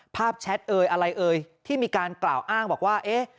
แชทเอ่ยอะไรเอ่ยที่มีการกล่าวอ้างบอกว่าเอ๊ะ